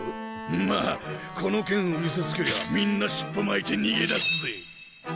まあこの剣を見せつけりゃみんな尻尾巻いて逃げ出すぜ。